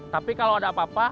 tapi kalau ada apa apa